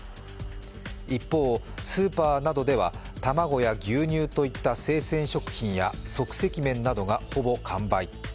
一方、スーパーなどでは卵や牛乳といった生鮮食品や即席麺などがほぼ完売。